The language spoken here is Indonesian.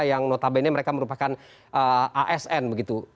yang notabene mereka merupakan asn begitu